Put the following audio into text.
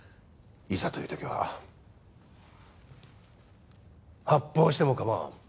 いざというときは発砲してもかまわん。